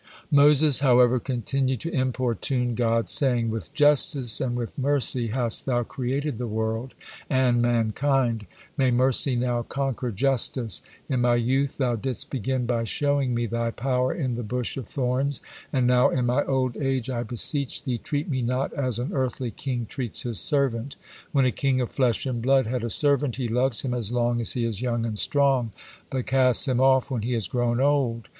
Moses, however, continued to importune God, saying: "With justice and with mercy hast Thou created the world and mankind, may mercy now conquer justice. In my youth Thou didst begin by showing me Thy power in the bush of thorns, and now, in my old age, I beseech Thee, treat me not as an earthly king treats his servant. When a king of flesh and blood had a servant, he loves him as long as he is young and strong, but casts him off when he is grown old.